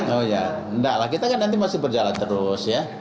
oh ya enggak lah kita kan nanti masih berjalan terus ya